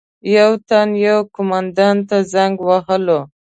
یو تن یو قومندان ته زنګ وهلو.